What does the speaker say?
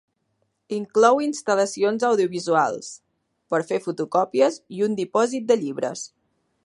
Inclou instal·lacions audiovisuals, per fer fotocòpies i un dipòsit de llibres.